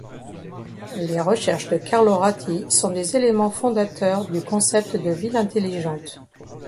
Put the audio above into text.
Les recherches de Carlo Ratti sont des éléments fondateurs du concept de ville intelligente.